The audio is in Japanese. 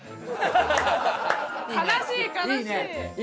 悲しい悲しい。